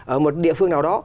ở một địa phương nào đó